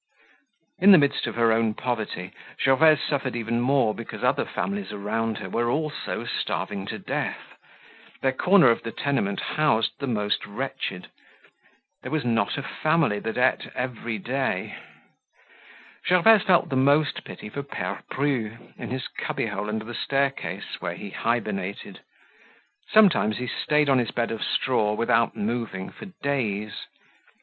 In the midst of her own poverty Gervaise suffered even more because other families around her were also starving to death. Their corner of the tenement housed the most wretched. There was not a family that ate every day. Gervaise felt the most pity for Pere Bru in his cubbyhole under the staircase where he hibernated. Sometimes he stayed on his bed of straw without moving for days.